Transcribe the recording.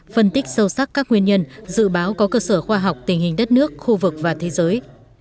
phân tích sâu sắc các nguyên nhân dự báo có cơ sở khoa học tình hình đất nước khu vực và thế giới